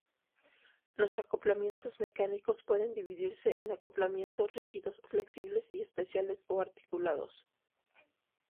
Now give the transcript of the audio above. Los acoplamientos mecánicos pueden dividirse en acoplamientos rígidos, flexibles y especiales o articulados.